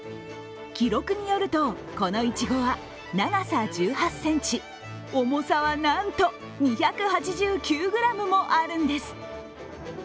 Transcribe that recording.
記録によると、このいちごは長さ１８ｃｍ、重さはなんと２８９ｇもあるんです。